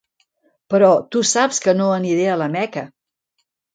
Però, tu saps que no aniré a la Meca.